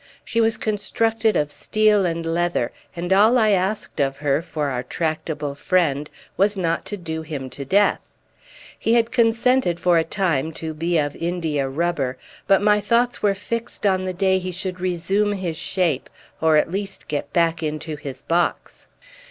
She was constructed of steel and leather, and all I asked of her for our tractable friend was not to do him to death. He had consented for a time to be of india rubber, but my thoughts were fixed on the day he should resume his shape or at least get back into his box.